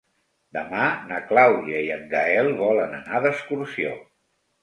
Demà na Clàudia i en Gaël volen anar d'excursió.